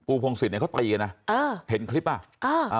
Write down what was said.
ภูพงศิษย์เนี้ยเขาตีกันนะเออเห็นคลิปป่ะเอออ่า